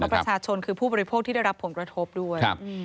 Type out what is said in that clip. ประชาชนคือผู้บริโภคที่ได้รับผลกระทบด้วย